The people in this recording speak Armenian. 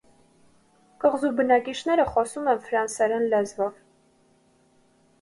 Կղզու բնակիչները խոսում են ֆրանսերեն լեզվով։